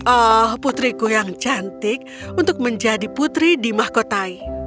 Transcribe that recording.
oh putriku yang cantik untuk menjadi putri dimahkotai